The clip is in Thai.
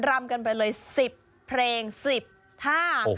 รำกันไปเลย๑๐เพลง๑๐ท่าค่ะ